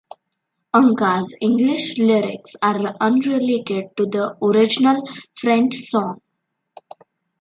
Anka's English lyrics are unrelated to the original French song.